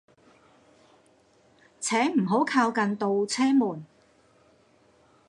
請唔好靠近度車門